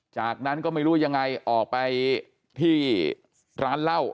จากนั้นก็ไม่รู้ยังไงออกไปที่ร้านเหล้า